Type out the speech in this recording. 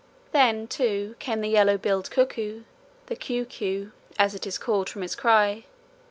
Then, too, came the yellow billed cuckoo the kowe kowe as it is called from its cry.